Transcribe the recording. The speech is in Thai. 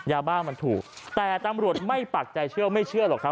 ยาบ้ามันถูกแต่ตำรวจไม่ปักใจเชื่อไม่เชื่อหรอกครับ